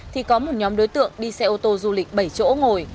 thì có một nhóm đối tượng đi xe ô tô du lịch bảy chỗ ngồi